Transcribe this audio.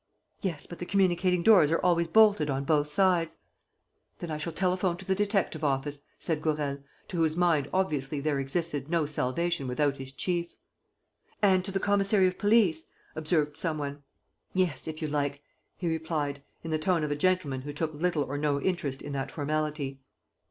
"Yes; but the communicating doors are always bolted on both sides." "Then I shall telephone to the detective office," said Gourel, to whose mind obviously there existed no salvation without his chief. "And to the commissary of police," observed some one. "Yes, if you like," he replied, in the tone of a gentleman who took little or no interest in that formality.